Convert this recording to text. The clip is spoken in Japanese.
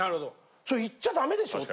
それ行っちゃダメでしょと。